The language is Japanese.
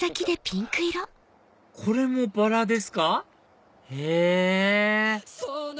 これもバラですか⁉へぇ！